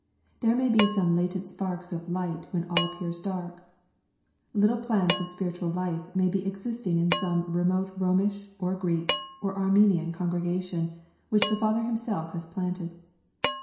There may be some latent sparks of light when all appears dark. Little plants of spiritual life may be existing in some remote Romish, or Greek, or Armenian congregations, which the Father Himself has planted.